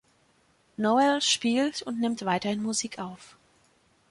Noel spielt und nimmt weiterhin Musik auf.